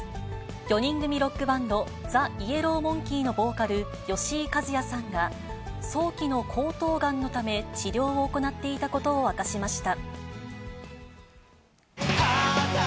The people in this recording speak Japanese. ４人組ロックバンド、ＴＨＥＹＥＬＬＯＷＭＯＮＫＥＹのボーカル、吉井和哉さんが、早期の喉頭がんのため治療を行っていたことを明かしました。